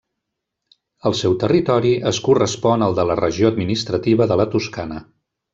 El seu territori es correspon al de la regió administrativa de la Toscana.